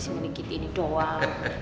sama si kiti ini doang